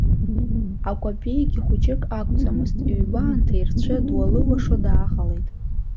Акәапеигьы хәыҷык акәӡамызт, ҩба анҭаирцәы дуалуашо дааҟалеит.